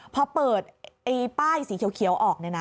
พอเปิดป้ายสีเขียวออก